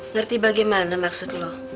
ngerti bagaimana maksud lo